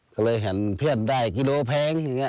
ก็เลยเห็นเพื่อนได้กิโลแพง